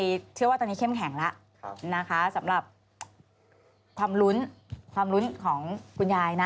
เชื่อว่าตอนนี้เข้มแข็งแล้วนะคะสำหรับความรุ้นของคุณยายนะ